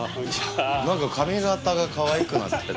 何か髪形がかわいくなってる。